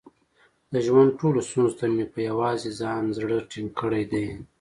د ژوند ټولو ستونزو ته مې په یووازې ځان زړه ټینګ کړی دی.